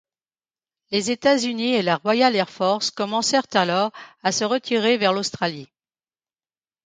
Les États-Unis et la Royal Air Force commencèrent alors à se retirer vers l'Australie.